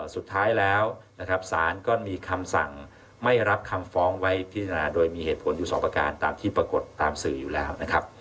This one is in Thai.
สุดท้ายแล้วนะครับสารก็มีคำสั่งไม่รับคำฟ้องไว้พิจารณาโดยมีเหตุผลอยู่สองประการตามที่ปรากฏตามสื่ออยู่แล้วนะครับ